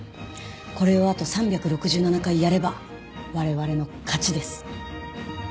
これをあと３６７回やれば我々の勝ちです。